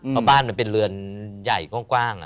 เพราะบ้านมันเป็นเรือนใหญ่กว้าง